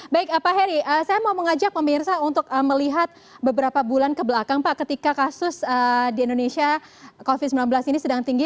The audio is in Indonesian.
baik pak heri saya mau mengajak pemirsa untuk melihat beberapa bulan kebelakang pak ketika kasus di indonesia covid sembilan belas ini sedang tinggi